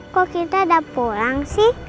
kok kita ada pulang sih